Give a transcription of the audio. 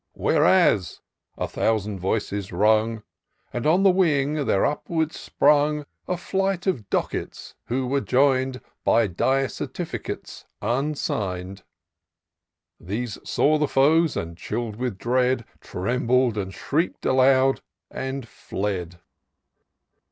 WL^tXtU%y a thousand voices rung, And on the wing there upwards sprung A flight of Dockets, who were join'd By dire Certificates unsigned : These saw the foes, and, chill'd with dread, Trembled and shriek'd aloud, and fled.